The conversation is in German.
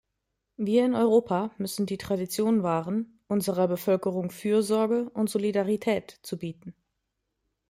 Wir in Europa müssen die Tradition wahren, unserer Bevölkerung Fürsorge und Solidarität zu bieten.